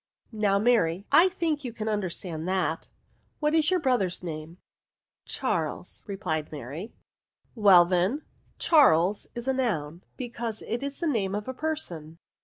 Now, Mary, I think you can understand that: what is your brother's name ?"" Charles," replied Mary, Well then, Charles is a noun, because it is the name of a person."